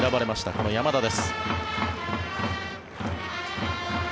この山田です。